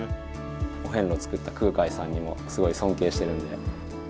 お遍路を作った空海さんにもすごい尊敬してるので。